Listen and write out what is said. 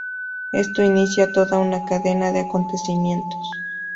Esto inicia toda una cadena de acontecimientos.